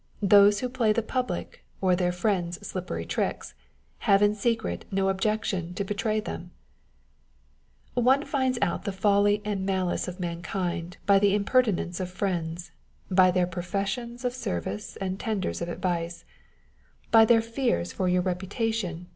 Those who play the public or their friends slippery tricks, have in secret no objection to betray them. One finds out the folly and malice of mankind by the impertinence of friends â€" by their professions of service and tenders of advice â€" by their fears for your reputation 106 On the Spirit of Obligations.